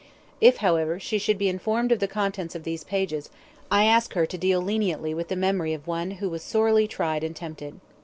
"If, however, she should be informed of the contents of these pages, I ask her to deal leniently with the memory of one who was sorely tried and tempted.